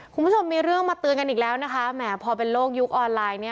คุณผู้ชมมีเรื่องมาเตือนกันอีกแล้วนะคะแหมพอเป็นโลกยุคออนไลน์เนี่ย